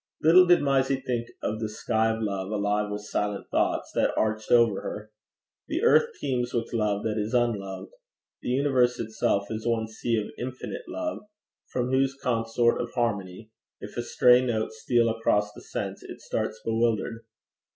Little did Mysie think of the sky of love, alive with silent thoughts, that arched over her. The earth teems with love that is unloved. The universe itself is one sea of infinite love, from whose consort of harmonies if a stray note steal across the sense, it starts bewildered.